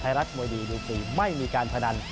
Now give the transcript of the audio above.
ภายลักษณ์มวยดีดูสีไม่มีการพนัน